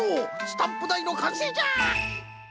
スタンプだいのかんせいじゃ！